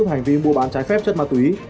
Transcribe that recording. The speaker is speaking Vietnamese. về hành vi mua bán trái phép chất ma túy